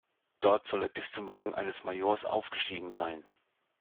Dort soll er bis zum Rang eines Majors aufgestiegen sein.